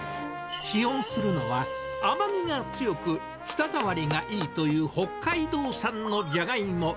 使用するのは、甘みが強く、舌触りがいいという北海道産のジャガイモ。